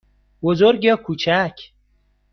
بزرگ یا کوچک؟